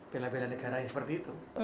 bela bela negara yang seperti itu